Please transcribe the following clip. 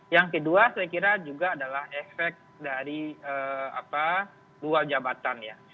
yang kedua saya kira juga adalah efek dari dua jabatan ya